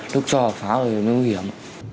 lúc cho pháo thì mới nguy hiểm